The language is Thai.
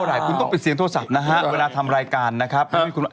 หลายคุณต้องเป็นเสียงโทรศัพท์นะฮะเวลาทำรายการนะครับ